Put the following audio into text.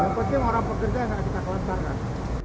yang penting orang pekerja yang tidak ada sekolah sangat